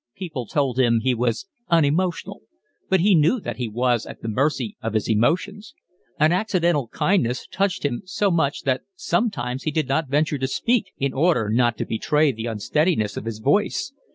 People told him he was unemotional; but he knew that he was at the mercy of his emotions: an accidental kindness touched him so much that sometimes he did not venture to speak in order not to betray the unsteadiness of his voice.